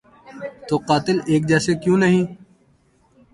تو قاتل ایک جیسے کیوں نہیں؟